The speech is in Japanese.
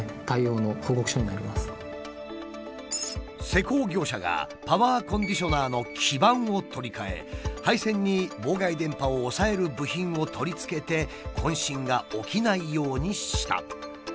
施工業者がパワーコンディショナーの基板を取り替え配線に妨害電波を抑える部品を取り付けて混信が起きないようにした。